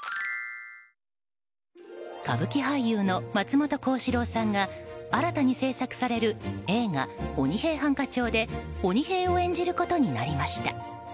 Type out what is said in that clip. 歌舞伎俳優の松本幸四郎さんが新たに製作される映画「鬼平犯科帳」で鬼平を演じることになりました。